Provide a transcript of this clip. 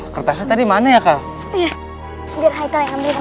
kertasnya tadi mana ya kak